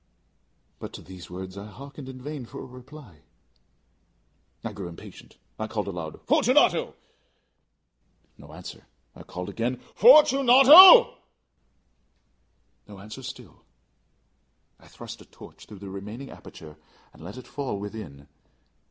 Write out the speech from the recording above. But to these words I hearkened in vain for a reply. I grew impatient. I called aloud "Fortunato!" No answer. I called again "Fortunato " No answer still. I thrust a torch through the remaining aperture and let it fall within.